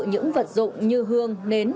những vật dụng như hương nến